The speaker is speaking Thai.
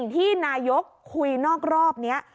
ที่นายกคุยนอกรอบนี้